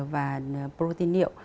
và protein niệu